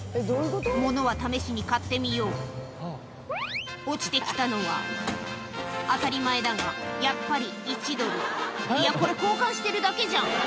物は試しに買ってみよう落ちて来たのは当たり前だがやっぱり１ドルいやこれ交換してるだけじゃん！